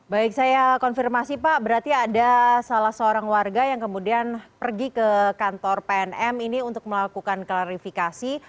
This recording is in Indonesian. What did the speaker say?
baik saya konfirmasi pak berarti ada salah seorang warga yang kemudian pergi ke kantor pnm ini untuk melakukan klarifikasi